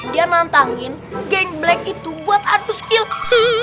dia nantangin gang black itu buat adu skill